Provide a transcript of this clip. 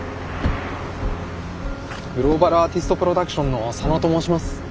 グローバルアーティストプロダクションの佐野と申します。